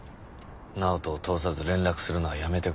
直人を通さず連絡するのはやめてください。